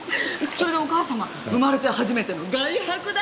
それでお義母様生まれて初めての外泊だって！